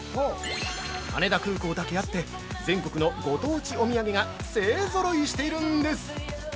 羽田空港だけあって全国のご当地お土産が勢ぞろいしているんです！